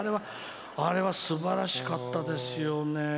あれはすばらしかったですよね。